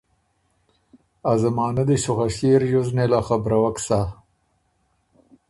ا زمانۀ دی سو خه ݭيې ریوز نېله خبروک سۀ۔